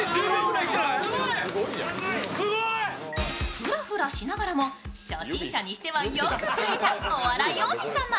ふらふらしながらも、初心者にしてはよく耐えたお笑い王子様。